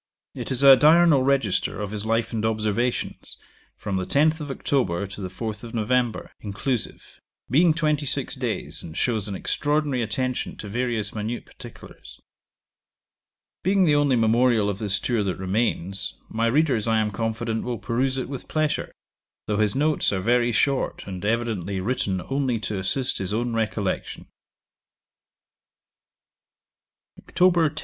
It is a diurnal register of his life and observations, from the 10th of October to the 4th of November, inclusive, being twenty six days, and shows an extraordinary attention to various minute particulars. Being the only memorial of this tour that remains, my readers, I am confident, will peruse it with pleasure, though his notes are very short, and evidently written only to assist his own recollection. 'Oct. 10.